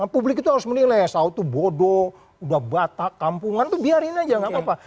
publik itu harus menilai saud itu bodoh udah batak kampungan itu biarin aja gak apa apa